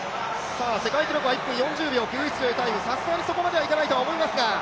世界記録は４０秒９１というタイム、さすがにそこまではいかないとは思いますが。